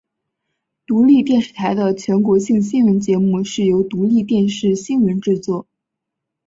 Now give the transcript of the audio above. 独立电视台的全国性新闻节目是由独立电视新闻制作。